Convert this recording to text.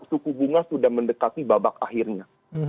suku bunga sudah mendekati babak akhirnya